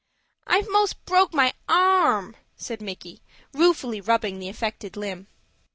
"I've most broke my arm," said Micky, ruefully, rubbing the affected limb.